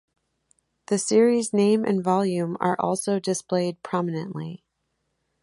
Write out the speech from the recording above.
The series name and volume are also displayed prominently.